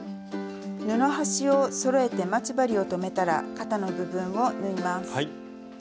布端をそろえて待ち針を留めたら肩の部分を縫います。